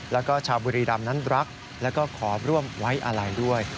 แล้วก็ชาวบุรีรำนั้นรักแล้วก็ขอร่วมไว้อะไรด้วย